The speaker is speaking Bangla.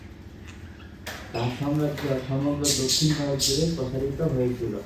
তাঁর সাম্রাজ্য সমগ্র দক্ষিণ ভারত জুড়ে প্রসারিত হয়েছিল।